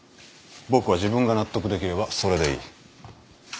僕は自分が納得できればそれでいい。